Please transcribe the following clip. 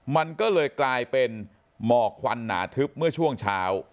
มันก็เลยกลายเป็นหมอกควันหนาทึบเมื่อช่วงเช้า